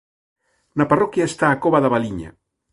Na parroquia está a cova da Valiña.